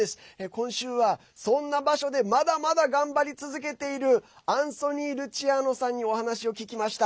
今週は、そんな場所でまだまだ頑張り続けているアンソニー・ルチアーノさんにお話を聞きました。